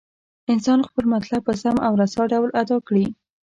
انسان خپل مطلب په سم او رسا ډول ادا کړي.